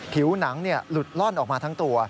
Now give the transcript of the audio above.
ผิวหนังหลุดล่อนออกมาทั้งตัว